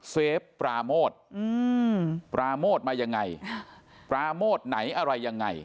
เฟฟปราโมดปราโมดมายังไงปราโมดไหนอะไรยังไง